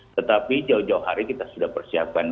tetapi jauh jauh hari kita sudah persiapkan